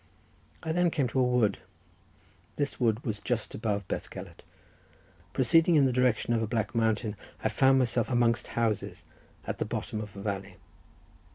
I then came to a wood—this wood was just above Bethgelert—proceeding in the direction of a black mountain, I found myself amongst houses, at the bottom of a valley.